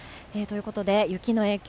ということで雪の影響